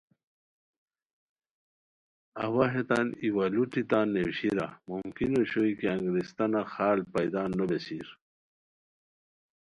اوا ہیتان ایوالوٹی تان نیویشیرا ممکن اوشوئے کی انگریستانہ خال پیدا نو بیسیر